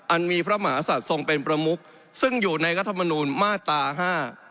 อันมีพระมหาศัตริย์ทรงเป็นประมุกซึ่งอยู่ในรัฐมนุนมาตรา๕